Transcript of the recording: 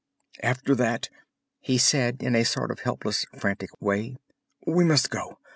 "After that," he said in a sort of helpless, frantic way, "we must go!